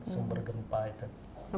sumber gempa itu